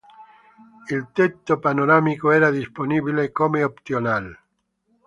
Il tetto panoramico era disponibile come optional.